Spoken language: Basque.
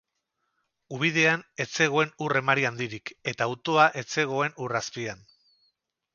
Ubidean ez zegoen ur emari handirik eta autoa ez zegoen ur azpian.